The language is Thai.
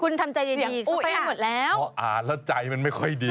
คุณทำใจดีเขาไปอีกหมดแล้วเพราะอ่าแล้วใจมันไม่ค่อยดี